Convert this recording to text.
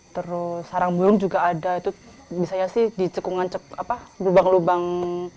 terus sarang burung juga ada itu misalnya sih di cekungan apa lubang lubang